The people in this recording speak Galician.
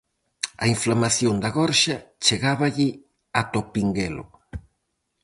A inflamación da gorxa chegáballe ata o pinguelo.